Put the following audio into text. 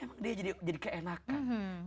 emang dia jadi keenakan